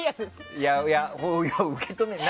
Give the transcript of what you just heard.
いやいや、受け止めてよ。